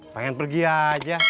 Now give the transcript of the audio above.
pengen pergi aja